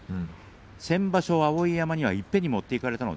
先場所は碧山にいっぺんに持っていかれました。